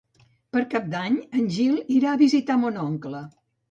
Per Cap d'Any en Gil irà a visitar mon oncle.